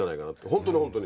本当に本当に。